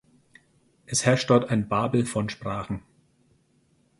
Es herrscht dort ein Babel von Sprachen.